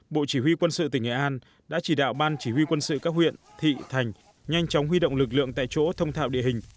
bộ chỉ huy quân sự tỉnh nghệ an đã chỉ đạo ban chỉ huy quân sự các huyện thị thành nhanh chóng huy động lực lượng tại chỗ thông thạo địa hình